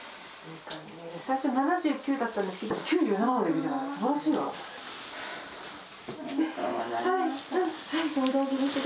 最初７９だったんですけど、９７までいくじゃない。